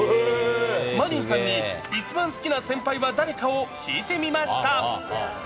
舞琳さんに、一番好きな先輩は誰かを聞いてみました。